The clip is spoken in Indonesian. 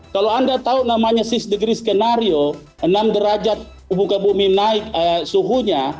kalau anda tahu namanya sis degree skenario enam derajat buka bumi naik suhunya